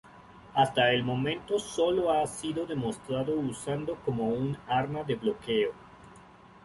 Hasta el momento sólo ha sido demostrado usando como un arma de bloqueo.